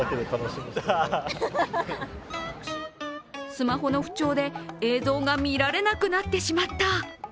スマホの不調で映像が見られなくなってしまった。